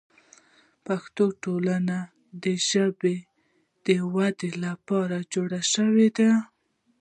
پښتو ټولنه د ژبې د ودې لپاره جوړه شوه.